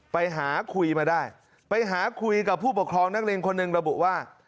ไปหาคุยมาได้ไปหาคุยกับผู้ปกครองนักเรียนคนหนึ่งระบุว่า